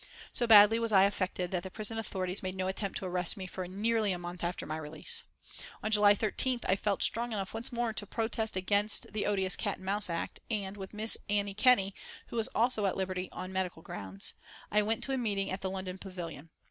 So badly was I affected that the prison authorities made no attempt to arrest me for nearly a month after my release. On July 13th I felt strong enough once more to protest against the odious Cat and Mouse Act, and, with Miss Annie Kenney, who was also at liberty "on medical grounds," I went to a meeting at the London Pavillion.